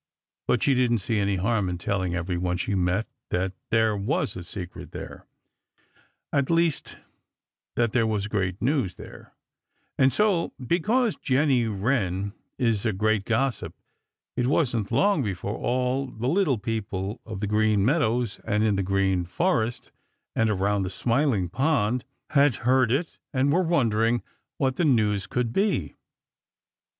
But she didn't see any harm in telling every one she met that there was a secret there, at least that there was great news there, and so, because Jenny Wren is a great gossip, it wasn't long before all the little people on the Green Meadows and in the Green Forest and around the Smiling Pool had heard it and were wondering what the news could be.